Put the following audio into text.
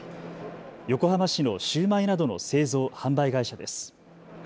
横浜市のシューマイなどの製造・販売会社です。